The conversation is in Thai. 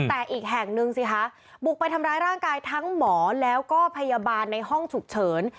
แต่อีกแห่งนึงสิคะบุกไปทำร้ายร่างกายทั้งหมอแล้วก็พยาบาลในห้องฉุกเฉิน